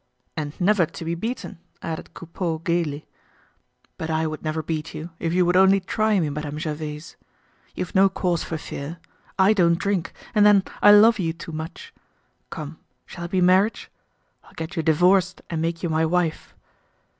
"And never to be beaten," added Coupeau gaily. "But I would never beat you, if you would only try me, Madame Gervaise. You've no cause for fear. I don't drink and then I love you too much. Come, shall it be marriage? I'll get you divorced and make you my wife."